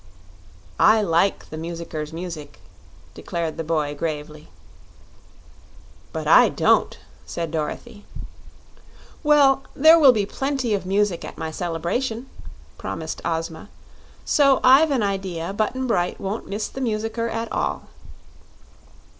"I like the Musicker's music," declared the boy, gravely. "But I don't," said Dorothy. "Well, there will be plenty of music at my celebration," promised Ozma; "so I've an idea Button Bright won't miss the Musicker at all."